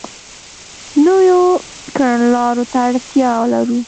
نویو کړنلارو ته اړتیا لرو.